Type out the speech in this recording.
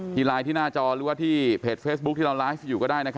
ที่ไลน์ที่หน้าจอหรือว่าเฟสบุ๊กที่เราไลฟ์สิอยู่ก็ได้